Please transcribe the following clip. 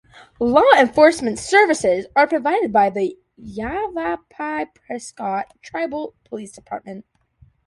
Law enforcement services are provided by the Yavapai-Prescott Tribal Police Department.